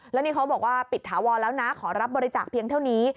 แล้วนี่เขาบอกว่าปิดถาวรแล้วนะขอรับบริจาคเพียงเท่านี้